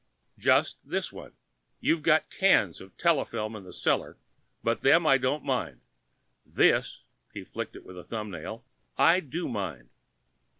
"Just this one. You've got cans of telefilm in the cellar, but them I don't mind. This," he flicked it with a thumbnail, "I do mind."